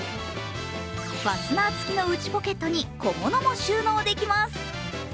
ファスナー付きの内ポケットに小物も収納できます。